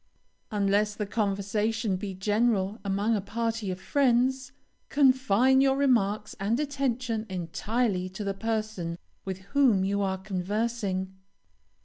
Unless the conversation be general among a party of friends, confine your remarks and attention entirely to the person with whom you are conversing.